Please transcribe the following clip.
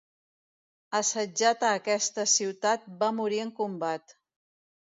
Assetjat a aquesta ciutat va morir en combat.